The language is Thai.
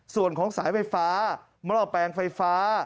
ส่วนของสายไฟฟ้าหม้อแปลงไฟฟ้า